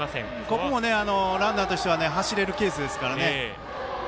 ここもランナーとしては走れるケースですから。